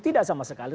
tidak sama sekali